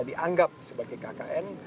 dianggap sebagai kkn